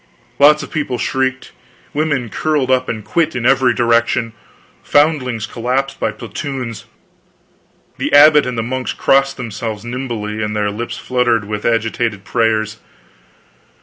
Lots of people shrieked, women curled up and quit in every direction, foundlings collapsed by platoons. The abbot and the monks crossed themselves nimbly and their lips fluttered with agitated prayers.